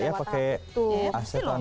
bisa ya pakai aseton